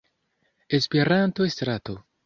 Esperanto-Strato.